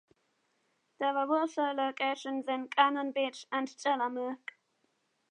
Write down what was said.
There are also locations in Cannon Beach and Tillamook.